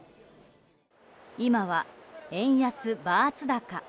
今は、円安バーツ高。